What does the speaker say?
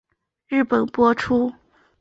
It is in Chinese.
日本播出。